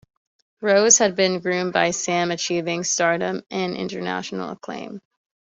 Rose has been groomed by Sam, achieving stardom and international acclaim.